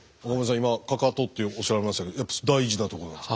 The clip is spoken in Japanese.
今かかとっておっしゃいましたけどやっぱ大事なとこなんですか？